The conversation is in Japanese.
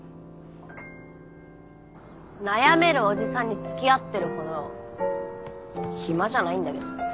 悩めるおじさんに付き合ってるほど暇じゃないんだけど。